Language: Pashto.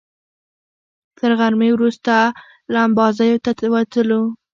تر غرمې وروسته لمباځیو ته ووتلو.